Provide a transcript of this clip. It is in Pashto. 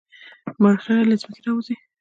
مرخیړي له ځمکې راوځي